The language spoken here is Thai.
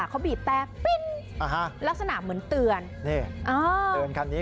เขาบีบแต่ปิ้นลักษณะเหมือนเตือนนี่อ่าเตือนคันนี้